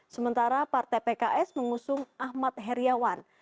sementara partai pks mengusung ahmad heriawan